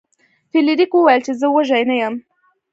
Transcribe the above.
فلیریک وویل چې زه وږی نه یم.